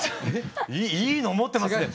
いいの持ってますね！